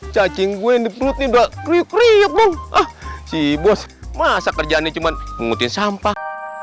cacing gue ini pelutnya kriuk kriuk ah si bos masa kerjaannya cuman ngutin sampah